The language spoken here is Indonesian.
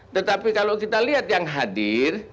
tetapi kalau kita lihat yang hadir